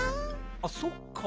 あっそっか。